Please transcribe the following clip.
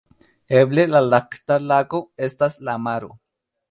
Eble la "Lakta Lago" estas la maro.